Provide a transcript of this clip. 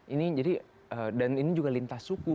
ini jadi dan ini juga lintas suku